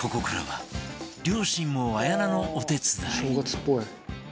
「正月っぽい」